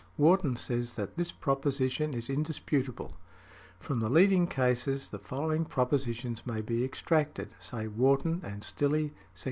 Wharton says that this position is indisputable . From the leading cases the following propositions may be extracted, say Wharton and Stillè, sec.